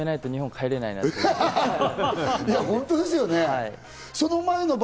これ決めないと日本に帰れないなと思って。